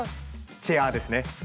チェアーですね